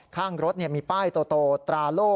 ข้างรถมีป้ายโตตราโล่